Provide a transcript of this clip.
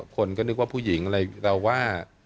คนก็นึกว่าผู้หญิงอะไรเราว่า